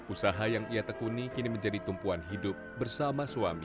usaha yang ia tekuni kini menjadi tumpuan hidup bersama suami